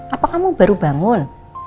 apa kamu baru bangun